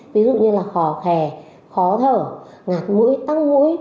ví dụ như là khỏ khè khó thở ngạt mũi tăng mũi